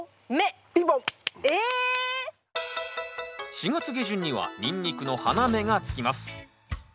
４月下旬にはニンニクの花芽がつきます。